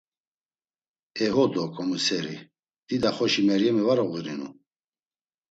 “E ho do ǩomiseri, dida xoşi Meryemi var oğurinu!”